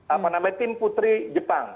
apa namanya tim putri jepang